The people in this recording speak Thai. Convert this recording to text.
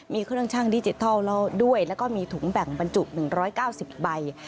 มีเครื่องชั่งดิจิทัลแล้วด้วยแล้วก็มีถุงแบ่งบรรจุ๑๙๐ใบ